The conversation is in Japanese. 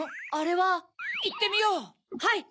はい！